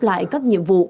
lại các nhiệm vụ